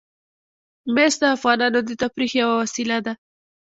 مس د افغانانو د تفریح یوه وسیله ده.